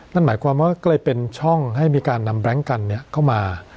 นั่นหมายความว่าก็เลยเป็นช่องให้มีการนำแบล็งกันเข้ามา